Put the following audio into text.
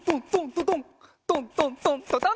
トントントントトン。